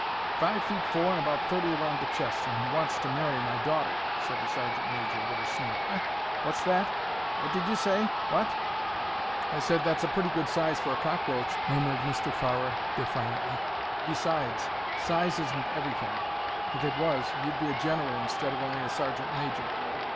"Five feet four and about thirty round the chest, and wants to marry my daughter!" said the sergeant major, with a sneer. "Eh? What's that? What did you say? What?" "I said that's a pretty good size for a cockroach," murmured Mr. Farrer, defiantly. "Besides, size isn't everything. If it was, you'd be a general instead of only a sergeant major."